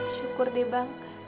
syukur deh bang